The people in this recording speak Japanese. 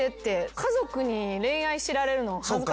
家族に恋愛知られるの恥ずかしくないですか？